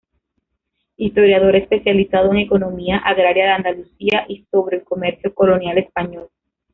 Historiador especializado en economía agraria de Andalucía y sobre el comercio colonial español.